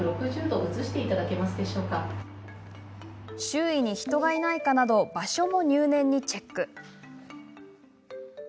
周囲に人がいないかなど場所も入念にチェック。